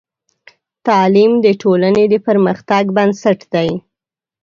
تعلیم د ټولنې د پرمختګ بنسټ دی.